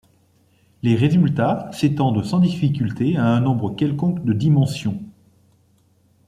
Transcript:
Les résultats s'étendent sans difficulté à un nombre quelconque de dimensions.